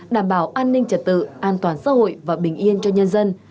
đảm bảo an ninh trật tự an toàn xã hội và bình yên cho nhân dân